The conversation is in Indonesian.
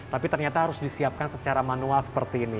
tapi ternyata harus disiapkan secara manual seperti ini